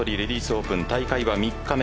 オープン大会は３日目。